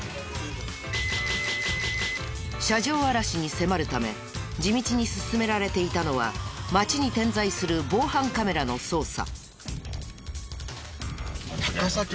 車上荒らしに迫るため地道に進められていたのは街に点在する防犯カメラの捜査。